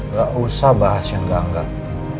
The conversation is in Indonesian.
gak usah bahas yang gak anggap